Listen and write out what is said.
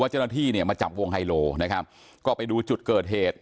เจ้าหน้าที่เนี่ยมาจับวงไฮโลนะครับก็ไปดูจุดเกิดเหตุ